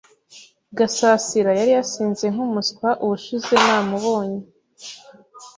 Gasasira yari yasinze nkumuswa ubushize namubonye.